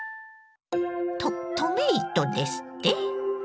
トトメイトですって？